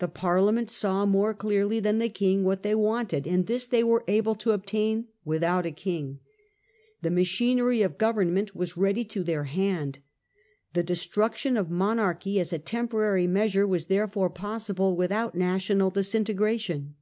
The Parliament saw more clearly than the King what they wanted, and this they were able to obtain without a King. The machinery of government was ready to their hand. The destruction of monarchy, as a temporary measure, was therefore possible without national disintegration.